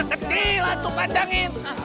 kecil lah tuh pandangin